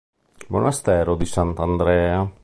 Monastero di Sant'Andrea